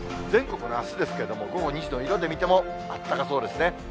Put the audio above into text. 全国のあすですけれども、午後２時の色で見ても、あったかそうですね。